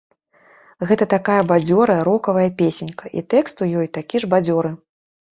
Гэта такая бадзёрая, рокавая песенька, і тэкст у ёй такі ж бадзёры.